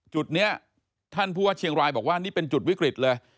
จุดนี้ท่านผู้ว่าเชียงรายบอกว่านี่เป็นจุดวิกฤตเลย